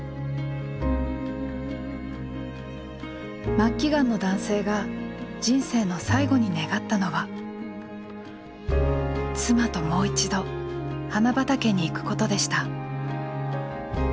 末期がんの男性が人生の最後に願ったのは「妻ともう一度花畑に行くこと」でした。